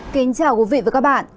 kính chào quý vị và các bạn